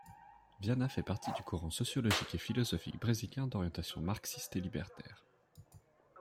Viana fait partie du courant sociologique et philosophique brésilien d'orientation marxiste et libertaire.